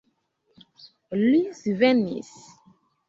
Li svenis.